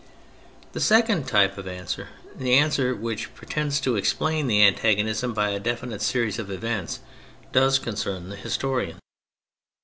The second type of answer, the answer which pretends to explain the antagonism by a definite series of events, does concern the historian.